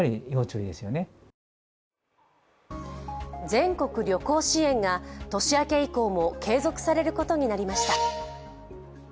全国旅行支援が年明け以降も継続されることになりました。